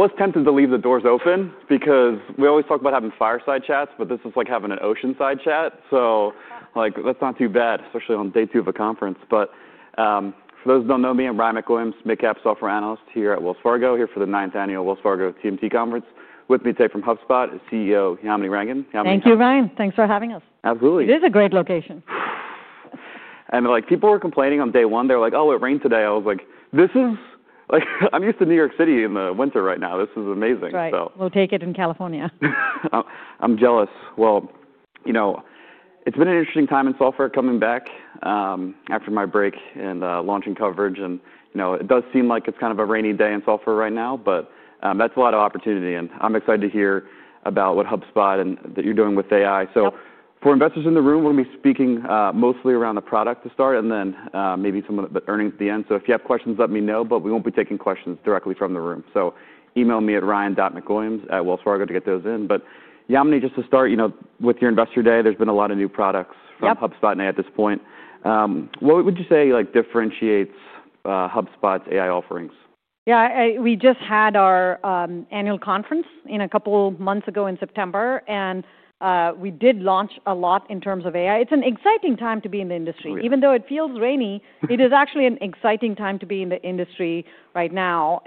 Let's tempt him to leave the doors open because we always talk about having fireside chats, but this is like having an oceanside chat. Like, that's not too bad, especially on day two of a conference. For those who don't know me, I'm Ryan MacWilliams, Midcap software analyst here at Wells Fargo, here for the ninth annual Wells Fargo TMT Conference. With me today from HubSpot is CEO Yamini Rangan. Yamini? Thank you, Ryan. Thanks for having us. Absolutely. It is a great location. People were complaining on day one. They were like, "Oh, it rained today." I was like, "This is, like, I'm used to New York City in the winter right now. This is amazing. Right. We'll take it in California. I'm jealous. You know, it's been an interesting time in software coming back after my break and launching coverage. You know, it does seem like it's kind of a rainy day in software right now, but that's a lot of opportunity. I'm excited to hear about what HubSpot and that you're doing with AI. For investors in the room, we're going to be speaking mostly around the product to start, and then maybe some of the earnings at the end. If you have questions, let me know, but we won't be taking questions directly from the room. Email me at Ryan. MacWilliams@WellsFargo to get those in. Yamini, just to start, you know, with your investor day, there's been a lot of new products from HubSpot and AI at this point. What would you say, like, differentiates HubSpot's AI offerings? Yeah, we just had our annual conference a couple months ago in September, and we did launch a lot in terms of AI. It's an exciting time to be in the industry. Even though it feels rainy, it is actually an exciting time to be in the industry right now.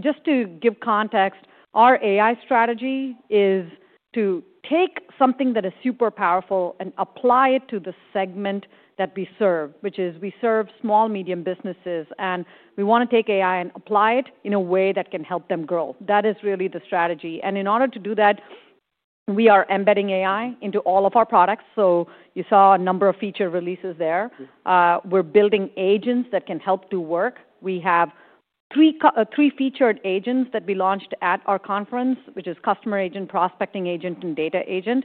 Just to give context, our AI strategy is to take something that is super powerful and apply it to the segment that we serve, which is we serve small, medium businesses, and we want to take AI and apply it in a way that can help them grow. That is really the strategy. In order to do that, we are embedding AI into all of our products. You saw a number of feature releases there. We're building agents that can help do work. We have three, three featured agents that we launched at our conference, which is Customer Agent, Prospecting Agent, and Data Agent.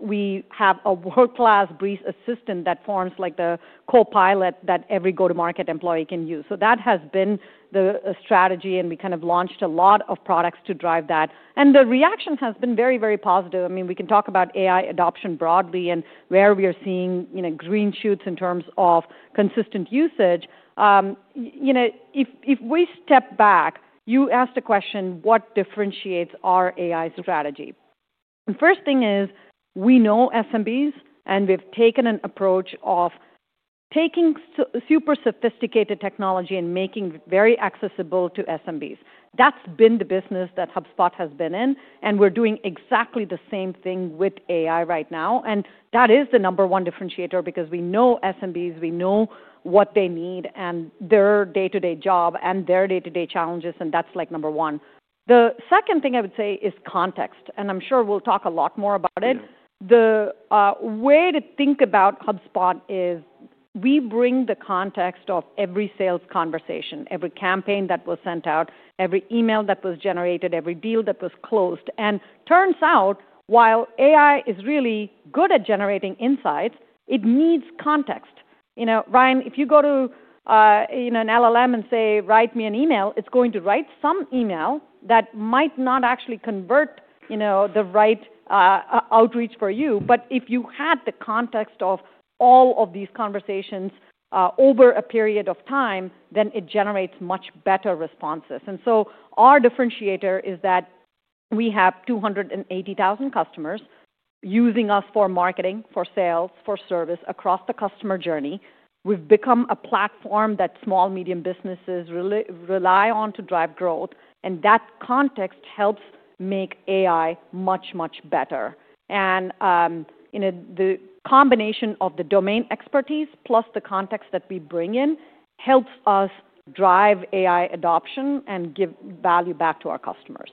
We have a world-class Breeze Assistant that forms like the copilot that every go-to-market employee can use. That has been the strategy, and we kind of launched a lot of products to drive that. The reaction has been very, very positive. I mean, we can talk about AI adoption broadly and where we are seeing, you know, green shoots in terms of consistent usage. You know, if we step back, you asked a question, what differentiates our AI strategy? The first thing is we know SMBs, and we've taken an approach of taking super sophisticated technology and making it very accessible to SMBs. That's been the business that HubSpot has been in, and we're doing exactly the same thing with AI right now. That is the number one differentiator because we know SMBs, we know what they need and their day-to-day job and their day-to-day challenges, and that's like number one. The second thing I would say is context, and I'm sure we'll talk a lot more about it. The way to think about HubSpot is we bring the context of every sales conversation, every campaign that was sent out, every email that was generated, every deal that was closed. It turns out, while AI is really good at generating insights, it needs context. You know, Ryan, if you go to, you know, an LLM and say, "Write me an email," it's going to write some email that might not actually convert, you know, the right outreach for you. If you had the context of all of these conversations, over a period of time, then it generates much better responses. Our differentiator is that we have 280,000 customers using us for marketing, for sales, for service across the customer journey. We have become a platform that small, medium businesses rely on to drive growth, and that context helps make AI much, much better. You know, the combination of the domain expertise plus the context that we bring in helps us drive AI adoption and give value back to our customers.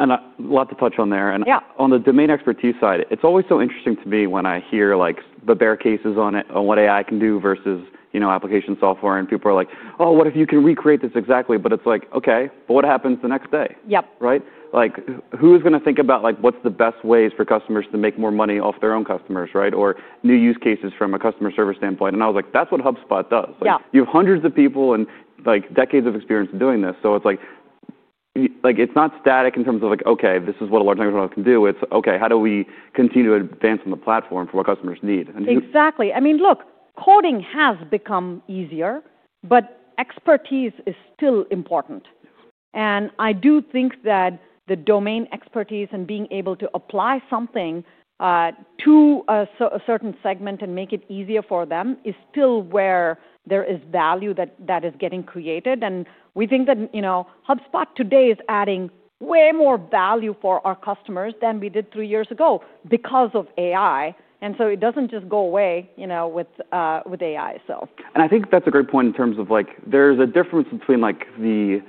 A lot to touch on there. Yeah. On the domain expertise side, it's always so interesting to me when I hear, like, the bare cases on it, on what AI can do versus, you know, application software. People are like, "Oh, what if you can recreate this exactly?" But it's like, "Okay, but what happens the next day? Yep. Right? Like, who's going to think about, like, what's the best ways for customers to make more money off their own customers, right? Or new use cases from a customer service standpoint. I was like, "That's what HubSpot does. Yeah. Like, you have hundreds of people and, like, decades of experience in doing this. It's like, it's not static in terms of, like, "Okay, this is what a large language model can do." It's, "Okay, how do we continue to advance on the platform for what customers need? Exactly. I mean, look, coding has become easier, but expertise is still important. I do think that the domain expertise and being able to apply something to a certain segment and make it easier for them is still where there is value that is getting created. We think that, you know, HubSpot today is adding way more value for our customers than we did three years ago because of AI. It doesn't just go away, you know, with AI. I think that's a great point in terms of, like, there's a difference between, like, the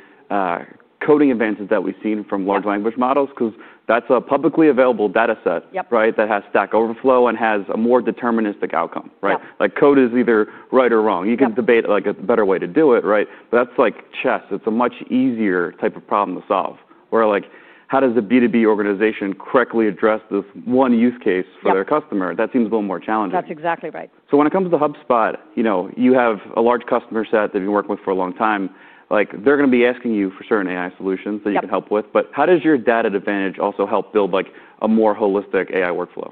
coding advances that we've seen from large language models, because that's a publicly available data set. Yep. Right? That has Stack Overflow and has a more deterministic outcome, right? Like, code is either right or wrong. You can debate, like, a better way to do it, right? That is like chess. It is a much easier type of problem to solve. Where, like, how does a B2B organization correctly address this one use case for their customer? That seems a little more challenging. That's exactly right. When it comes to HubSpot, you know, you have a large customer set that you've been working with for a long time. Like, they're going to be asking you for certain AI solutions that you can help with. How does your data advantage also help build, like, a more holistic AI workflow?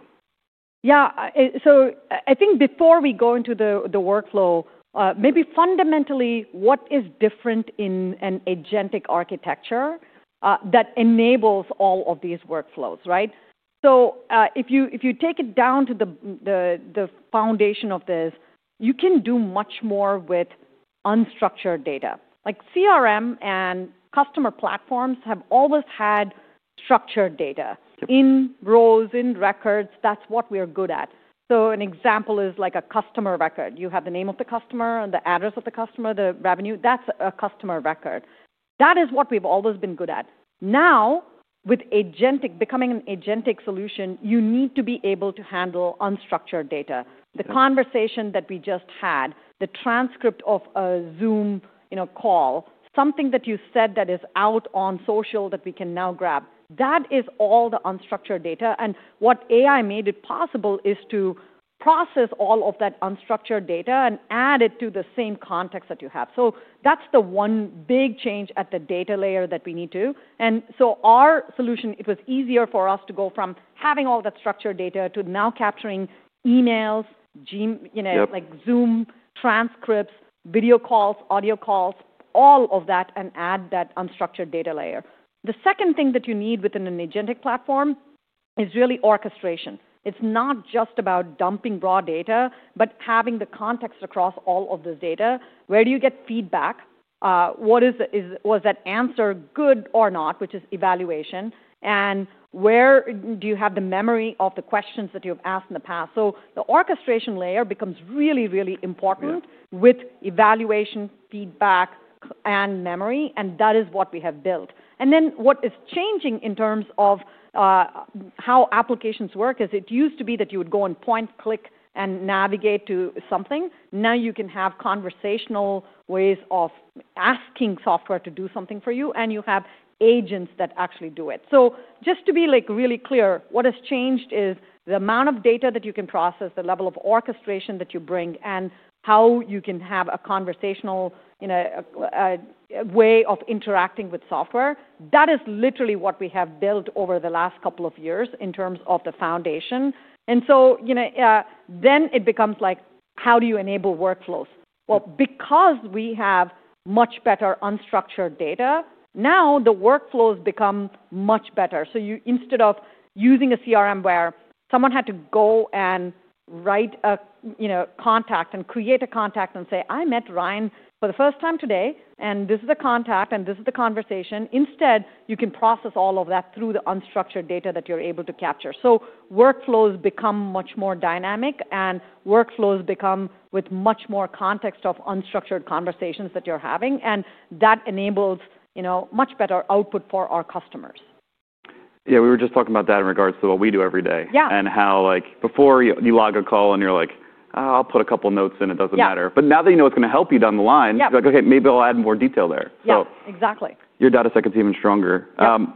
Yeah. I think before we go into the workflow, maybe fundamentally, what is different in an agentic architecture that enables all of these workflows, right? If you take it down to the foundation of this, you can do much more with unstructured data. Like, CRM and customer platforms have always had structured data in roles, in records. That's what we are good at. An example is like a customer record. You have the name of the customer and the address of the customer, the revenue. That's a customer record. That is what we've always been good at. Now, with agentic, becoming an agentic solution, you need to be able to handle unstructured data. The conversation that we just had, the transcript of a Zoom, you know, call, something that you said that is out on social that we can now grab, that is all the unstructured data. And what AI made it possible is to process all of that unstructured data and add it to the same context that you have. That's the one big change at the data layer that we need to. Our solution, it was easier for us to go from having all that structured data to now capturing emails, Gmail, you know, like Zoom transcripts, video calls, audio calls, all of that, and add that unstructured data layer. The second thing that you need within an agentic platform is really orchestration. It's not just about dumping raw data, but having the context across all of this data. Where do you get feedback? What is, was that answer good or not, which is evaluation? Where do you have the memory of the questions that you have asked in the past? The orchestration layer becomes really, really important with evaluation, feedback, and memory. That is what we have built. What is changing in terms of how applications work is it used to be that you would go and point, click, and navigate to something. Now you can have conversational ways of asking software to do something for you, and you have agents that actually do it. Just to be, like, really clear, what has changed is the amount of data that you can process, the level of orchestration that you bring, and how you can have a conversational, you know, way of interacting with software. That is literally what we have built over the last couple of years in terms of the foundation. And so, you know, then it becomes like, how do you enable workflows? Well, because we have much better unstructured data, now the workflows become much better. So, instead of using a CRM where someone had to go and write a, you know, contact and create a contact and say, "I met Ryan for the first time today, and this is the contact, and this is the conversation," instead, you can process all of that through the unstructured data that you're able to capture. So, workflows become much more dynamic, and workflows become with much more context of unstructured conversations that you're having. And that enables, you know, much better output for our customers. Yeah, we were just talking about that in regards to what we do every day. Yeah. Before you log a call and you're like, "Oh, I'll put a couple notes in. It doesn't matter." Now that you know it's going to help you down the line, you're like, "Okay, maybe I'll add more detail there. Yeah, exactly. Your data set gets even stronger.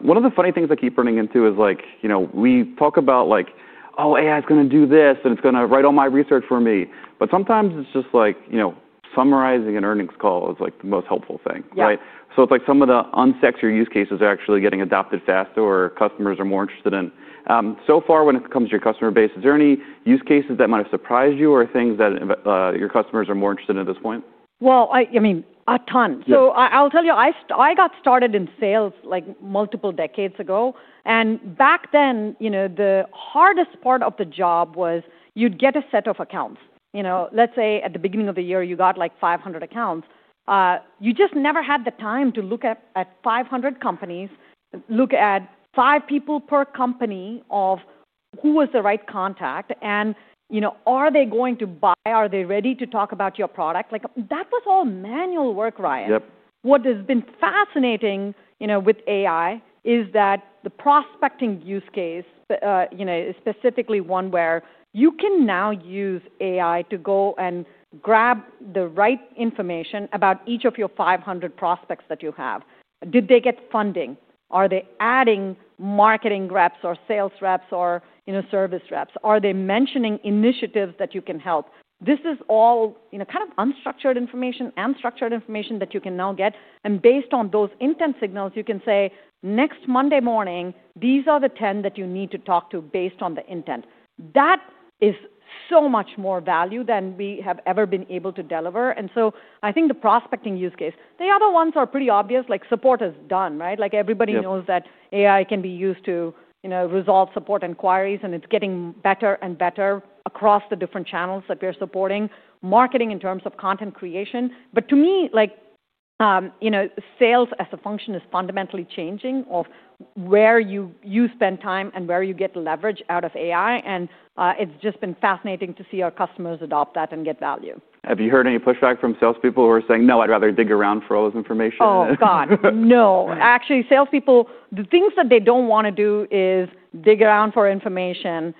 One of the funny things I keep running into is, like, you know, we talk about, like, "Oh, AI is going to do this, and it's going to write all my research for me." Sometimes it's just like, you know, summarizing an earnings call is like the most helpful thing, right? Yeah. It's like some of the unsecured use cases are actually getting adopted faster or customers are more interested in. So far, when it comes to your customer base, is there any use cases that might have surprised you or things that your customers are more interested in at this point? I mean, a ton. I'll tell you, I got started in sales, like, multiple decades ago. Back then, you know, the hardest part of the job was you'd get a set of accounts. You know, let's say at the beginning of the year, you got like 500 accounts. You just never had the time to look at 500 companies, look at five people per company of who was the right contact, and, you know, are they going to buy? Are they ready to talk about your product? Like, that was all manual work, Ryan. Yep. What has been fascinating, you know, with AI is that the prospecting use case, you know, is specifically one where you can now use AI to go and grab the right information about each of your 500 prospects that you have. Did they get funding? Are they adding marketing reps or sales reps or, you know, service reps? Are they mentioning initiatives that you can help? This is all, you know, kind of unstructured information and structured information that you can now get. Based on those intent signals, you can say, "Next Monday morning, these are the 10 that you need to talk to based on the intent." That is so much more value than we have ever been able to deliver. I think the prospecting use case, the other ones are pretty obvious, like support is done, right? Like, everybody knows that AI can be used to, you know, resolve support inquiries, and it's getting better and better across the different channels that we're supporting marketing in terms of content creation. To me, like, you know, sales as a function is fundamentally changing of where you spend time and where you get leverage out of AI. It's just been fascinating to see our customers adopt that and get value. Have you heard any pushback from salespeople who are saying, "No, I'd rather dig around for all this information"? Oh, God, no. Actually, salespeople, the things that they don't want to do is dig around for information,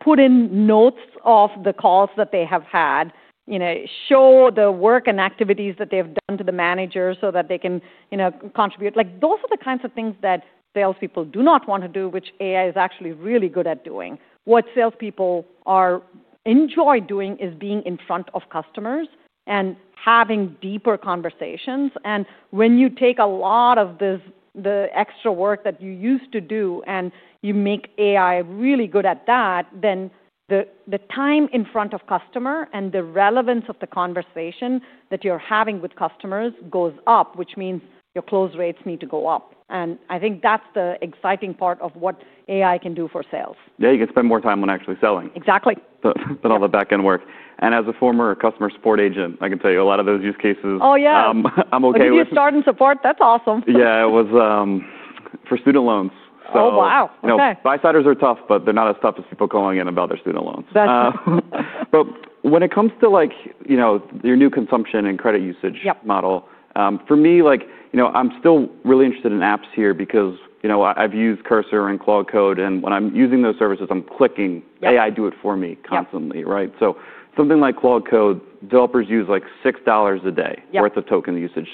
put in notes of the calls that they have had, you know, show the work and activities that they have done to the manager so that they can, you know, contribute. Like, those are the kinds of things that salespeople do not want to do, which AI is actually really good at doing. What salespeople enjoy doing is being in front of customers and having deeper conversations. When you take a lot of this, the extra work that you used to do, and you make AI really good at that, then the time in front of customer and the relevance of the conversation that you're having with customers goes up, which means your close rates need to go up. I think that's the exciting part of what AI can do for sales. Yeah, you can spend more time on actually selling. Exactly. All the backend work. And as a former customer support agent, I can tell you a lot of those use cases. Oh, yeah. I'm okay with. You start in support? That's awesome. Yeah, it was for student loans. Oh, wow. Okay. You know, buy-siders are tough, but they're not as tough as people calling in about their student loans. That's true. When it comes to, like, you know, your new consumption and credit usage model, for me, like, you know, I'm still really interested in apps here because, you know, I've used Cursor and Cloud Code, and when I'm using those services, I'm clicking AI Do It For Me constantly, right? Something like Cloud Code, developers use like $6 a day worth of token usage.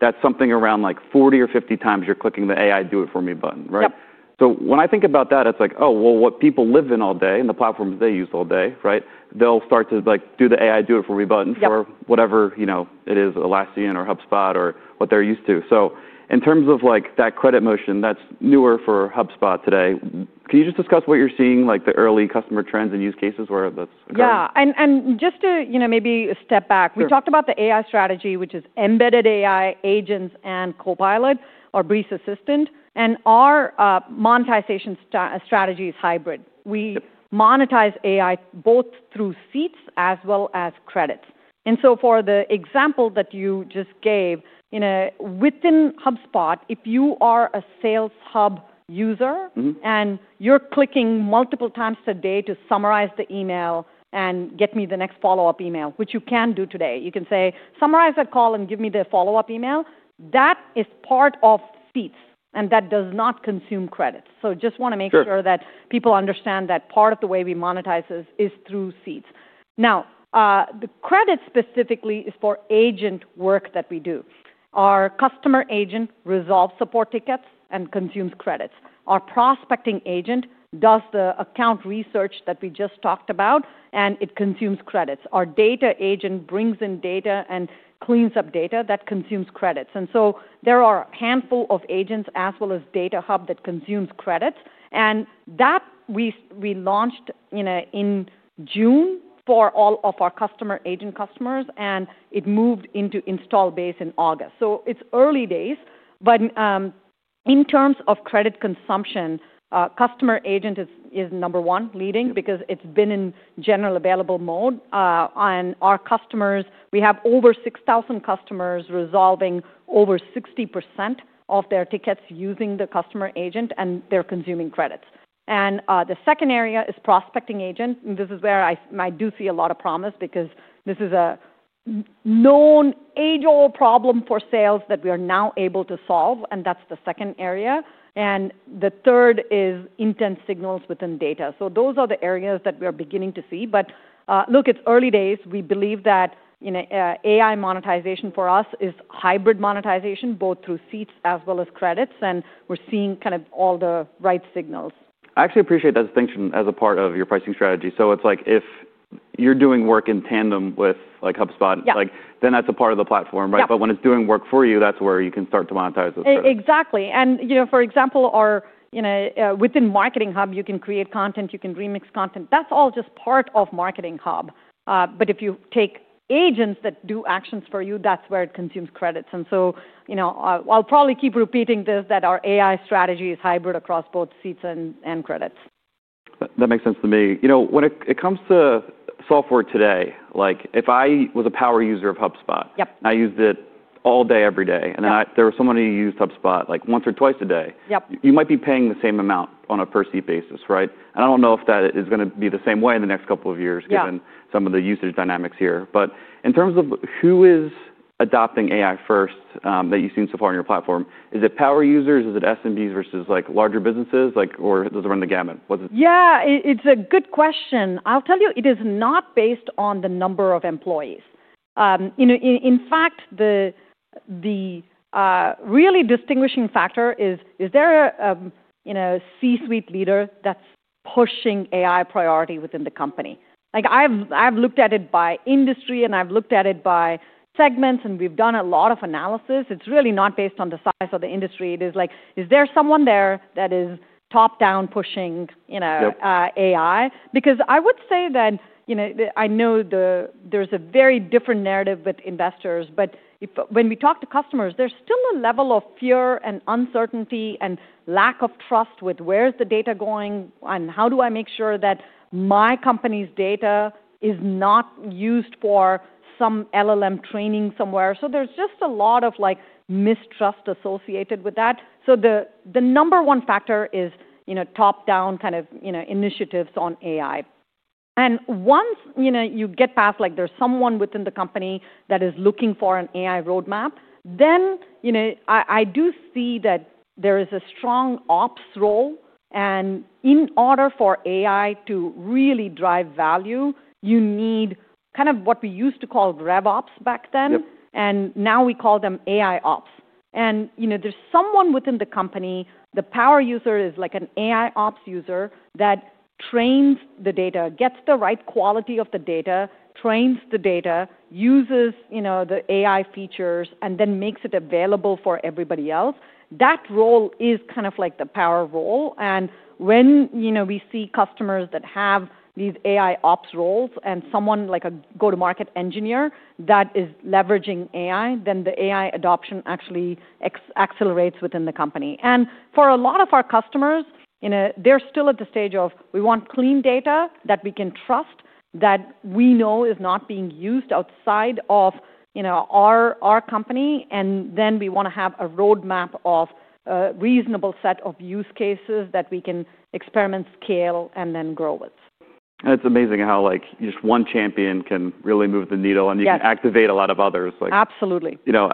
That's something around like 40 or 50 times you're clicking the AI Do It For Me button, right? Yep. When I think about that, it's like, "Oh, well, what people live in all day and the platforms they use all day," right? They'll start to, like, do the AI Do It For Me button for whatever, you know, it is, Atlassian or HubSpot or what they're used to. In terms of, like, that credit motion that's newer for HubSpot today, can you just discuss what you're seeing, like, the early customer trends and use cases where that's occurring? Yeah. And just to, you know, maybe step back, we talked about the AI strategy, which is embedded AI agents and Copilot or Breeze Assistant. Our monetization strategy is hybrid. We monetize AI both through seats as well as credits. For the example that you just gave, you know, within HubSpot, if you are a Sales Hub user and you're clicking multiple times today to summarize the email and get me the next follow-up email, which you can do today, you can say, "Summarize that call and give me the follow-up email." That is part of seats, and that does not consume credits. I just want to make sure that people understand that part of the way we monetize is through seats. Now, the credit specifically is for agent work that we do. Our Customer Agent resolves support tickets and consumes credits. Our prospecting agent does the account research that we just talked about, and it consumes credits. Our data agent brings in data and cleans up data that consumes credits. There are a handful of agents as well as Data Hub that consumes credits. We launched, you know, in June for all of our customer agent customers, and it moved into install base in August. It's early days. In terms of credit consumption, customer agent is number one leading because it's been in general available mode. Our customers, we have over 6,000 customers resolving over 60% of their tickets using the customer agent, and they're consuming credits. The second area is prospecting agent. This is where I do see a lot of promise because this is a known age-old problem for sales that we are now able to solve. That is the second area. The third is intent signals within data. Those are the areas that we are beginning to see. Look, it is early days. We believe that, you know, AI monetization for us is hybrid monetization, both through seats as well as credits. We are seeing kind of all the right signals. I actually appreciate that distinction as a part of your pricing strategy. It's like if you're doing work in tandem with, like, HubSpot, like, then that's a part of the platform, right? But when it's doing work for you, that's where you can start to monetize those credits. Exactly. You know, for example, within Marketing Hub, you can create content. You can remix content. That is all just part of Marketing Hub. If you take agents that do actions for you, that is where it consumes credits. You know, I will probably keep repeating this, that our AI strategy is hybrid across both seats and credits. That makes sense to me. You know, when it comes to software today, like, if I was a power user of HubSpot. Yep. I used it all day, every day, and then there was someone who used HubSpot, like, once or twice a day. Yep. You might be paying the same amount on a per-seat basis, right? I don't know if that is going to be the same way in the next couple of years, given some of the usage dynamics here. In terms of who is adopting AI first, that you've seen so far on your platform, is it power users? Is it SMBs versus, like, larger businesses? Like, or does it run the gamut? What's it? Yeah, it's a good question. I'll tell you, it is not based on the number of employees. You know, in fact, the really distinguishing factor is, is there a, you know, C-suite leader that's pushing AI priority within the company? Like, I've looked at it by industry, and I've looked at it by segments, and we've done a lot of analysis. It's really not based on the size of the industry. It is like, is there someone there that is top-down pushing, you know, AI? Because I would say that, you know, I know there's a very different narrative with investors, but when we talk to customers, there's still a level of fear and uncertainty and lack of trust with where's the data going and how do I make sure that my company's data is not used for some LLM training somewhere. There is just a lot of, like, mistrust associated with that. The number one factor is, you know, top-down kind of, you know, initiatives on AI. Once you get past, like, there is someone within the company that is looking for an AI roadmap, then, you know, I do see that there is a strong ops role. In order for AI to really drive value, you need kind of what we used to call RevOps back then. Now we call them AI Ops. You know, there is someone within the company, the power user is like an AI Ops user that trains the data, gets the right quality of the data, trains the data, uses, you know, the AI features, and then makes it available for everybody else. That role is kind of like the power role. When, you know, we see customers that have these AI Ops roles and someone like a go-to-market engineer that is leveraging AI, then the AI adoption actually accelerates within the company. For a lot of our customers, you know, they're still at the stage of, we want clean data that we can trust, that we know is not being used outside of, you know, our company. Then we want to have a roadmap of a reasonable set of use cases that we can experiment, scale, and then grow with. It's amazing how, like, just one champion can really move the needle and you can activate a lot of others. Absolutely. You know,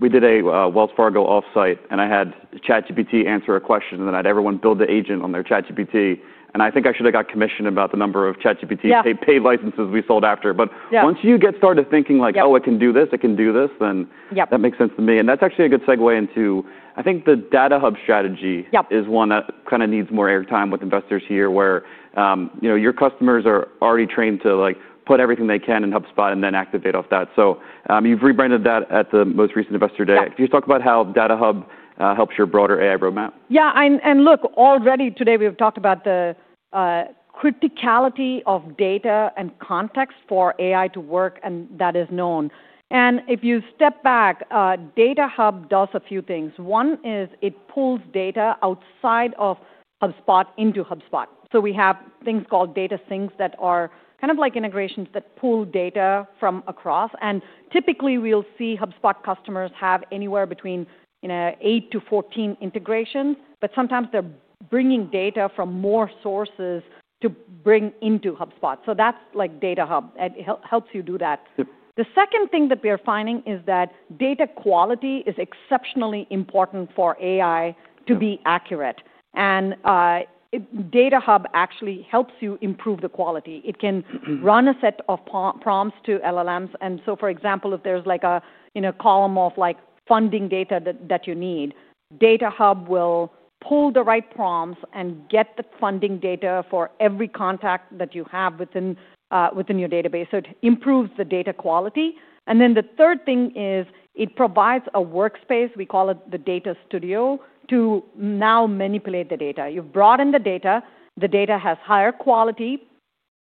we did a Wells Fargo offsite, and I had ChatGPT answer a question, and then I had everyone build the agent on their ChatGPT. I think I should have got commissioned about the number of ChatGPT paid licenses we sold after. Once you get started thinking like, "Oh, it can do this, it can do this," that makes sense to me. That's actually a good segue into, I think the DataHub strategy is one that kind of needs more airtime with investors here where, you know, your customers are already trained to, like, put everything they can in HubSpot and then activate off that. You have rebranded that at the most recent investor day. Could you talk about how DataHub helps your broader AI roadmap? Yeah. Look, already today we've talked about the criticality of data and context for AI to work, and that is known. If you step back, DataHub does a few things. One is it pulls data outside of HubSpot into HubSpot. We have things called data syncs that are kind of like integrations that pull data from across. Typically, we'll see HubSpot customers have anywhere between, you know, 8 to 14 integrations, but sometimes they're bringing data from more sources to bring into HubSpot. That's like Data Hub. It helps you do that. The second thing that we are finding is that data quality is exceptionally important for AI to be accurate. Data Hub actually helps you improve the quality. It can run a set of prompts to LLMs. For example, if there's like a, you know, column of like funding data that you need, Data Hub will pull the right prompts and get the funding data for every contact that you have within your database. It improves the data quality. The third thing is it provides a workspace. We call it the data studio to now manipulate the data. You've broadened the data. The data has higher quality.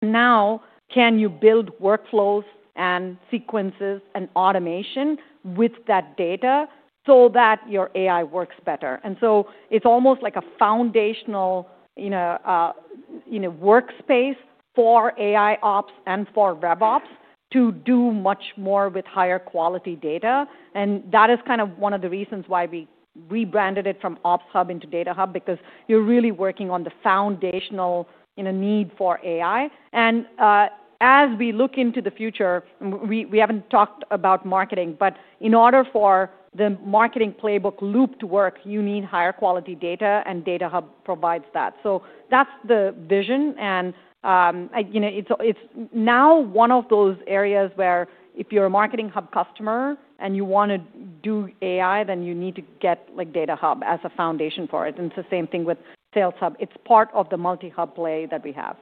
Now, can you build workflows and sequences and automation with that data so that your AI works better? It's almost like a foundational, you know, workspace for AI Ops and for RevOps to do much more with higher quality data. That is kind of one of the reasons why we rebranded it from OpsHub into Data Hub because you're really working on the foundational, you know, need for AI. As we look into the future, we haven't talked about marketing, but in order for the marketing playbook Loop to work, you need higher quality data, and Data Hub provides that. That is the vision. You know, it's now one of those areas where if you're a Marketing Hub customer and you want to do AI, then you need to get Data Hub as a foundation for it. It's the same thing with Sales Hub. It's part of the multi-hub play that we have.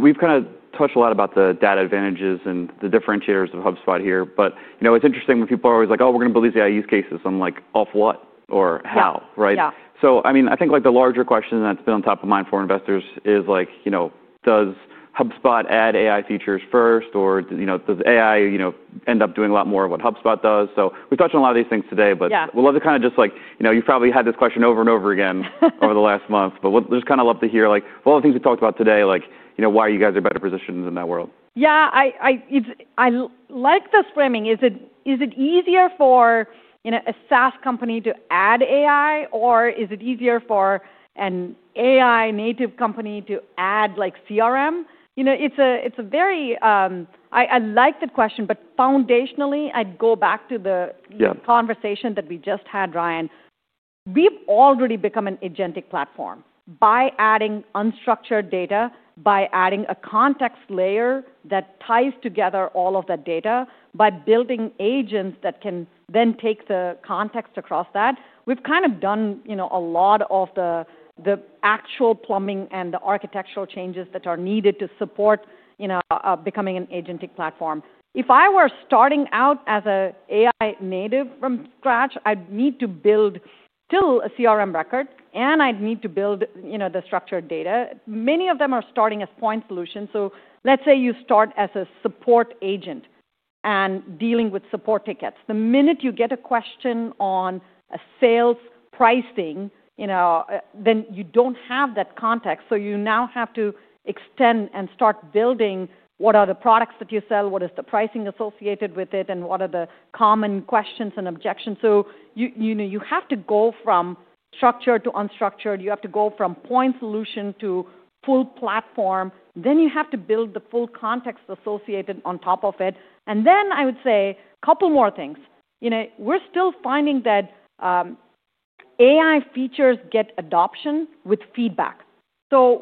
We have kind of touched a lot about the data advantages and the differentiators of HubSpot here. You know, it's interesting when people are always like, "Oh, we're going to build these AI use cases." I'm like, "Off what? Or how?" Right? Yeah. I mean, I think like the larger question that's been on top of mind for investors is like, you know, does HubSpot add AI features first? Or, you know, does AI, you know, end up doing a lot more of what HubSpot does? We've touched on a lot of these things today, but we'd love to kind of just like, you know, you've probably had this question over and over again over the last month, but we'd just kind of love to hear like all the things we've talked about today, like, you know, why you guys are better positioned in that world. Yeah. I like the framing. Is it easier for, you know, a SaaS company to add AI, or is it easier for an AI native company to add like CRM? You know, it's a very, I like that question, but foundationally, I'd go back to the conversation that we just had, Ryan. We've already become an agentic platform by adding unstructured data, by adding a context layer that ties together all of that data, by building agents that can then take the context across that. We've kind of done, you know, a lot of the actual plumbing and the architectural changes that are needed to support, you know, becoming an agentic platform. If I were starting out as an AI native from scratch, I'd need to build still a CRM record, and I'd need to build, you know, the structured data. Many of them are starting as point solutions. Let's say you start as a support agent and dealing with support tickets. The minute you get a question on a sales pricing, you know, then you don't have that context. You now have to extend and start building what are the products that you sell, what is the pricing associated with it, and what are the common questions and objections. You know, you have to go from structured to unstructured. You have to go from point solution to full platform. You have to build the full context associated on top of it. I would say a couple more things. You know, we're still finding that AI features get adoption with feedback.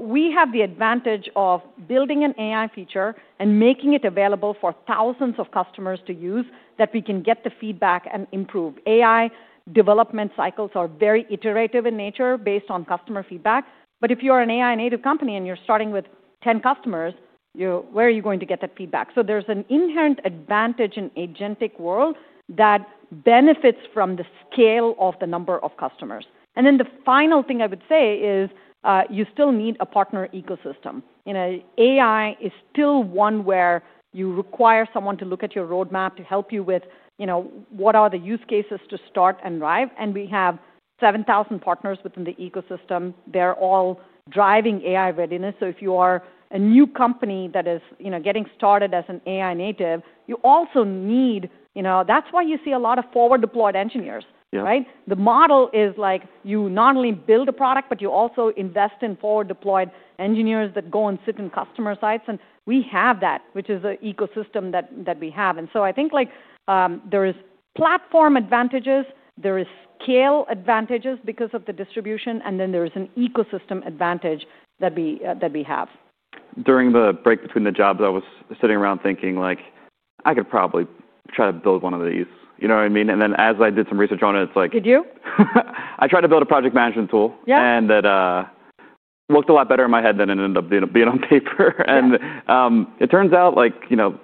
We have the advantage of building an AI feature and making it available for thousands of customers to use that we can get the feedback and improve. AI development cycles are very iterative in nature based on customer feedback. If you're an AI native company and you're starting with 10 customers, you know, where are you going to get that feedback? There's an inherent advantage in agentic world that benefits from the scale of the number of customers. The final thing I would say is, you still need a partner ecosystem. You know, AI is still one where you require someone to look at your roadmap to help you with, you know, what are the use cases to start and drive. We have 7,000 partners within the ecosystem. They're all driving AI readiness. If you are a new company that is, you know, getting started as an AI native, you also need, you know, that's why you see a lot of forward-deployed engineers, right? The model is like you not only build a product, but you also invest in forward-deployed engineers that go and sit in customer sites. We have that, which is an ecosystem that we have. I think like, there is platform advantages. There is scale advantages because of the distribution. Then there is an ecosystem advantage that we have. During the break between the jobs, I was sitting around thinking like, I could probably try to build one of these, you know what I mean? As I did some research on it, it's like. Did you? I tried to build a project management tool. Yeah. That looked a lot better in my head than it ended up being on paper. It turns out like, you know,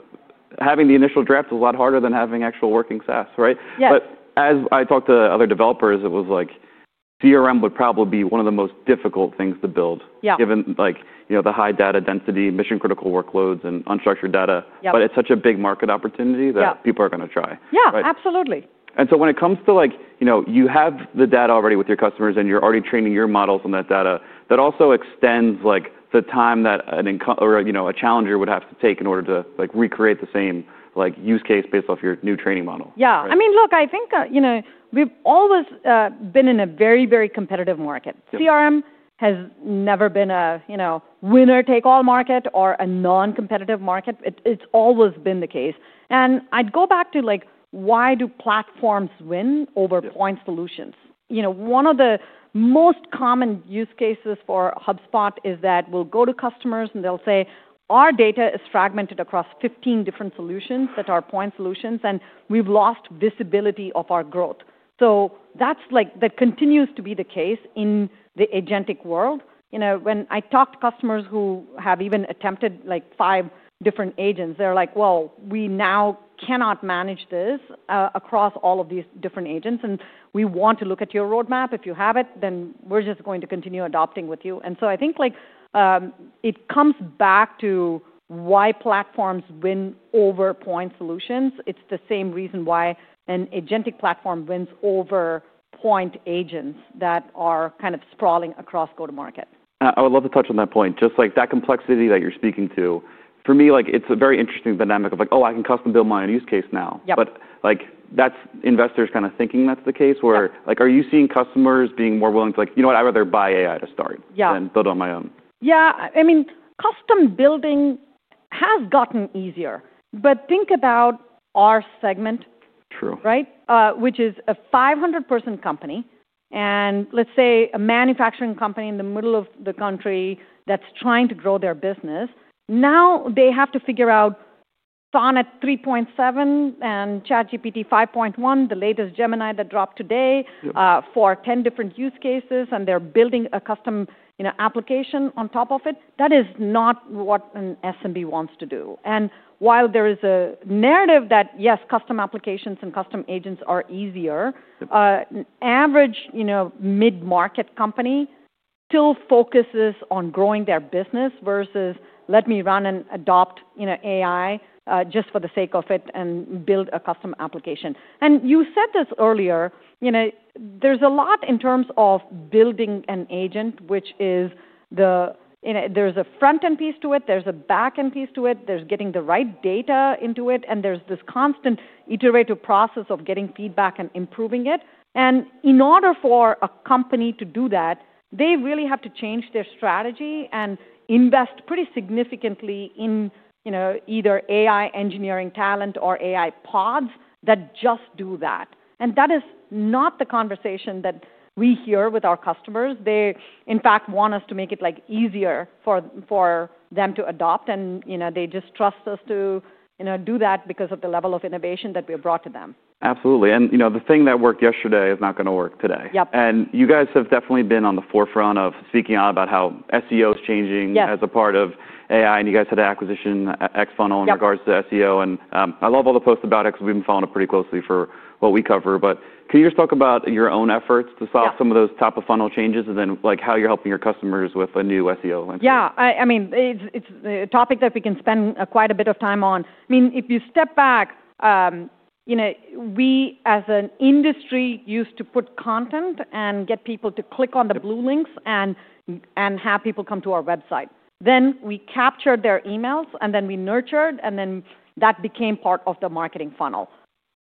having the initial draft is a lot harder than having actual working SaaS, right? Yes. As I talked to other developers, it was like CRM would probably be one of the most difficult things to build, given like, you know, the high data density, mission-critical workloads, and unstructured data. But it's such a big market opportunity that people are going to try. Yeah, absolutely. When it comes to like, you know, you have the data already with your customers and you're already training your models on that data, that also extends like the time that an, or, you know, a challenger would have to take in order to like recreate the same like use case based off your new training model. Yeah. I mean, look, I think, you know, we've always been in a very, very competitive market. CRM has never been a, you know, winner-take-all market or a non-competitive market. It's always been the case. I go back to like, why do platforms win over point solutions? You know, one of the most common use cases for HubSpot is that we'll go to customers and they'll say, our data is fragmented across 15 different solutions that are point solutions, and we've lost visibility of our growth. That's like that continues to be the case in the agentic world. You know, when I talk to customers who have even attempted like five different agents, they're like, well, we now cannot manage this across all of these different agents. We want to look at your roadmap. If you have it, then we're just going to continue adopting with you. I think like, it comes back to why platforms win over point solutions. It's the same reason why an agentic platform wins over point agents that are kind of sprawling across go-to-market. I would love to touch on that point. Just like that complexity that you're speaking to, for me, like it's a very interesting dynamic of like, oh, I can custom build my own use case now. Like that's investors kind of thinking that's the case where, like, are you seeing customers being more willing to, like, you know what, I'd rather buy AI to start than build on my own. Yeah. I mean, custom building has gotten easier, but think about our segment. True. Right? Which is a 500-person company and let's say a manufacturing company in the middle of the country that's trying to grow their business. Now they have to figure out Sonnet 3.7 and ChatGPT 5.1, the latest Gemini that dropped today for 10 different use cases, and they're building a custom, you know, application on top of it. That is not what an SMB wants to do. While there is a narrative that yes, custom applications and custom agents are easier, average, you know, mid-market company still focuses on growing their business versus let me run and adopt, you know, AI just for the sake of it and build a custom application. You said this earlier, you know, there's a lot in terms of building an agent, which is the, you know, there's a front-end piece to it, there's a back-end piece to it, there's getting the right data into it, and there's this constant iterative process of getting feedback and improving it. In order for a company to do that, they really have to change their strategy and invest pretty significantly in, you know, either AI engineering talent or AI pods that just do that. That is not the conversation that we hear with our customers. They, in fact, want us to make it like easier for them to adopt. You know, they just trust us to, you know, do that because of the level of innovation that we have brought to them. Absolutely. You know, the thing that worked yesterday is not going to work today. Yep. You guys have definitely been on the forefront of speaking out about how SEO is changing as a part of AI. You guys had an acquisition at XFunnels in regards to SEO. I love all the posts about it because we've been following it pretty closely for what we cover. Can you just talk about your own efforts to solve some of those top-of-funnel changes and then like how you're helping your customers with a new SEO? Yeah. I mean, it's a topic that we can spend quite a bit of time on. I mean, if you step back, you know, we as an industry used to put content and get people to click on the blue links and have people come to our website. Then we captured their emails and then we nurtured, and then that became part of the marketing funnel.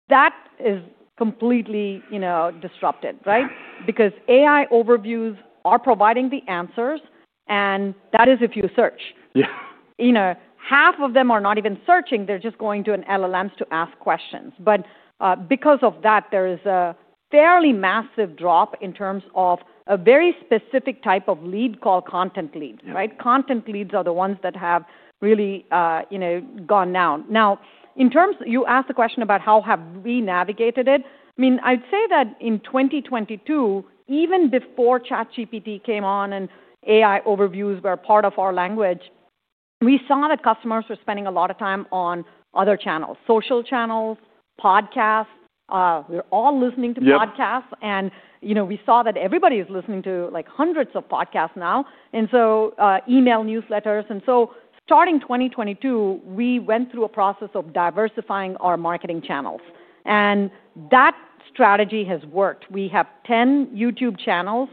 That is completely, you know, disrupted, right? Because AI overviews are providing the answers, and that is if you search. Yeah. You know, half of them are not even searching. They're just going to an LLMs to ask questions. Because of that, there is a fairly massive drop in terms of a very specific type of lead called content lead, right? Content leads are the ones that have really, you know, gone down. Now, in terms you asked the question about how have we navigated it. I mean, I'd say that in 2022, even before ChatGPT came on and AI overviews were part of our language, we saw that customers were spending a lot of time on other channels, social channels, podcasts. We're all listening to podcasts. You know, we saw that everybody is listening to like hundreds of podcasts now. Email newsletters. Starting 2022, we went through a process of diversifying our marketing channels. That strategy has worked. We have 10 YouTube channels,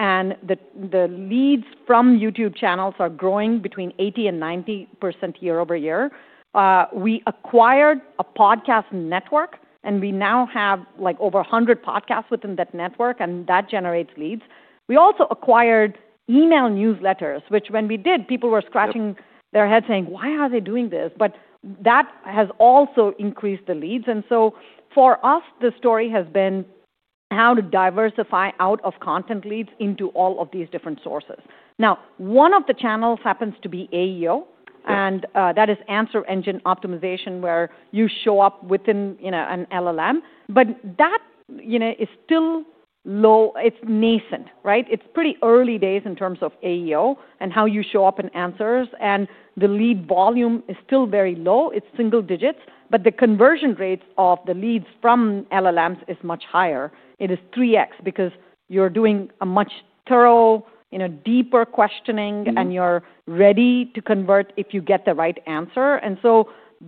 and the leads from YouTube channels are growing between 80-90% year over year. We acquired a podcast network, and we now have like over 100 podcasts within that network, and that generates leads. We also acquired email newsletters, which when we did, people were scratching their head saying, why are they doing this? That has also increased the leads. For us, the story has been how to diversify out of content leads into all of these different sources. Now, one of the channels happens to be AEO, and that is Answer Engine Optimization, where you show up within, you know, an LLM. That, you know, is still low. It's nascent, right? It's pretty early days in terms of AEO and how you show up in answers. The lead volume is still very low. It's single digits, but the conversion rates of the leads from LLMs is much higher. It is 3x because you're doing a much thorough, you know, deeper questioning, and you're ready to convert if you get the right answer.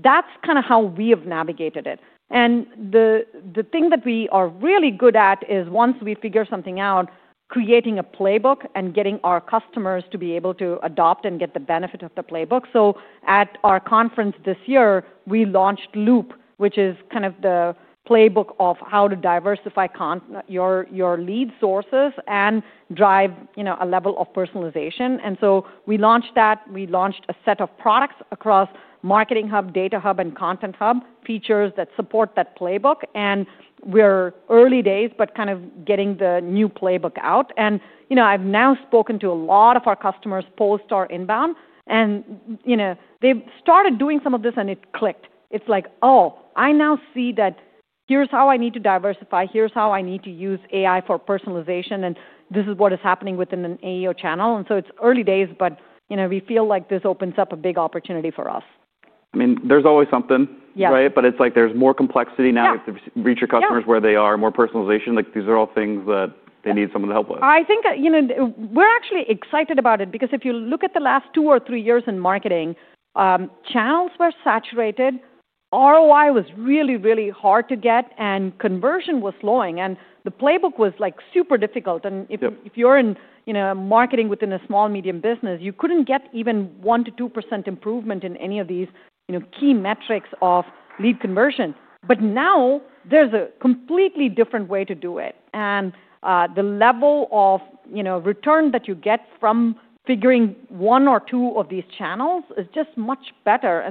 That's kind of how we have navigated it. The thing that we are really good at is once we figure something out, creating a playbook and getting our customers to be able to adopt and get the benefit of the playbook. At our conference this year, we launched Loop, which is kind of the playbook of how to diversify your lead sources and drive, you know, a level of personalization. We launched that. We launched a set of products across Marketing Hub, Data Hub, and Content Hub features that support that playbook. We're early days, but kind of getting the new playbook out. You know, I've now spoken to a lot of our customers post our inbound, and, you know, they've started doing some of this and it clicked. It's like, oh, I now see that here's how I need to diversify. Here's how I need to use AI for personalization. This is what is happening within an AEO channel. It is early days, but, you know, we feel like this opens up a big opportunity for us. I mean, there's always something, right? It's like there's more complexity now with reach your customers where they are, more personalization. Like these are all things that they need someone to help with. I think, you know, we're actually excited about it because if you look at the last two or three years in marketing, channels were saturated. ROI was really, really hard to get, and conversion was slowing. The playbook was like super difficult. If you're in, you know, marketing within a small medium business, you couldn't get even 1-2% improvement in any of these, you know, key metrics of lead conversion. Now there's a completely different way to do it. The level of, you know, return that you get from figuring one or two of these channels is just much better.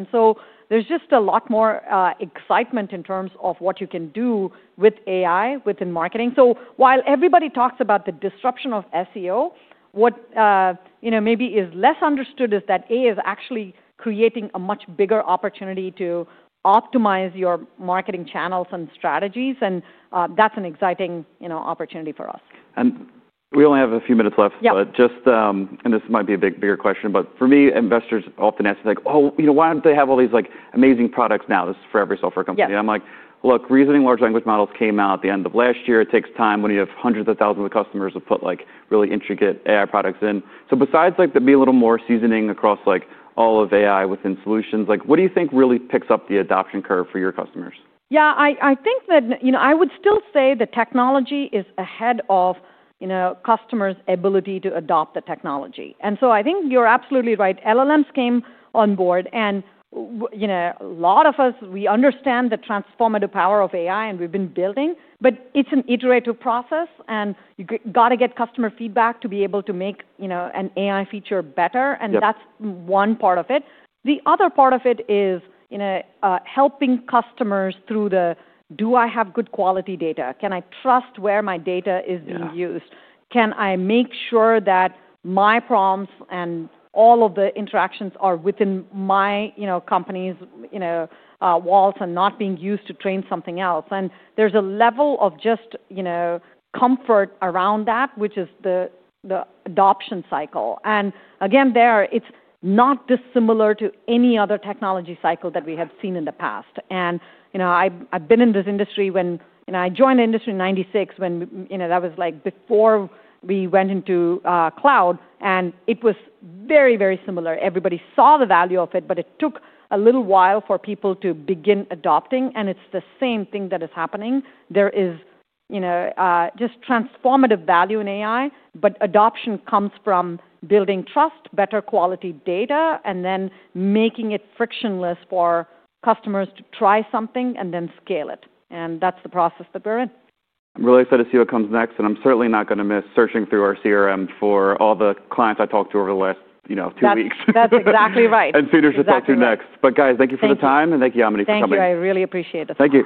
There is just a lot more excitement in terms of what you can do with AI within marketing. While everybody talks about the disruption of SEO, what, you know, maybe is less understood is that AI is actually creating a much bigger opportunity to optimize your marketing channels and strategies. And that's an exciting, you know, opportunity for us. We only have a few minutes left, but just, and this might be a bigger question, for me, investors often ask me like, oh, you know, why don't they have all these like amazing products now? This is for every software company. I'm like, look, reasoning large language models came out at the end of last year. It takes time when you have hundreds of thousands of customers to put like really intricate AI products in. Besides there being a little more seasoning across all of AI within solutions, what do you think really picks up the adoption curve for your customers? Yeah, I think that, you know, I would still say the technology is ahead of, you know, customers' ability to adopt the technology. I think you're absolutely right. LLMs came on board. You know, a lot of us, we understand the transformative power of AI and we've been building, but it's an iterative process. You got to get customer feedback to be able to make, you know, an AI feature better. That's one part of it. The other part of it is, you know, helping customers through the, do I have good quality data? Can I trust where my data is being used? Can I make sure that my prompts and all of the interactions are within my, you know, company's, you know, walls and not being used to train something else? There is a level of just, you know, comfort around that, which is the adoption cycle. Again, it is not dissimilar to any other technology cycle that we have seen in the past. You know, I have been in this industry when, you know, I joined the industry in 1996, when, you know, that was like before we went into cloud. It was very, very similar. Everybody saw the value of it, but it took a little while for people to begin adopting. It is the same thing that is happening. There is, you know, just transformative value in AI, but adoption comes from building trust, better quality data, and then making it frictionless for customers to try something and then scale it. That is the process that we are in. I'm really excited to see what comes next. I'm certainly not going to miss searching through our CRM for all the clients I talked to over the last, you know, two weeks. That's exactly right. Sooner to talk to you next. Guys, thank you for the time. Thank you, Yamini. Thank you. I really appreciate it. Thank you.